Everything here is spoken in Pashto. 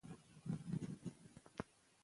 د ماشوم غوږونه مه پاکوئ ژور.